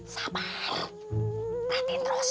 sabar latih terus